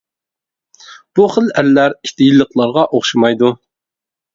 بۇ خىل ئەرلەر ئىت يىللىقلارغا ئوخشىمايدۇ.